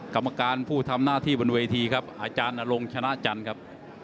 กรรมการผู้ทำหน้าที่บนเวทีครับอาจารย์นรงชนะจันทร์ครับ